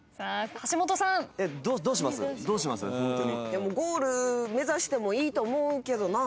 でもゴール目指してもいいと思うけどな。